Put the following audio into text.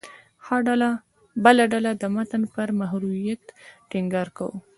بله ډله د متن پر محوریت ټینګار کاوه.